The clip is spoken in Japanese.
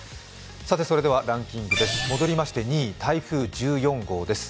ランキング戻りまして２位台風１４号です。